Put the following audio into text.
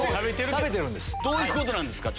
どういうことなんですか？